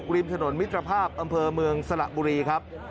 ริมถนนมิตรภาพอำเภอเมืองสระบุรีครับ